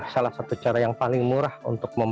salah satu cara yang paling murah untuk